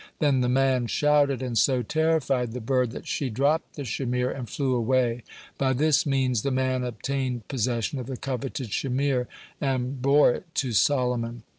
Then the man shouted, and so terrified the bird that she dropped the shamir and flew away. By this means the man obtained possession of the coveted shamir, and bore it to Solomon.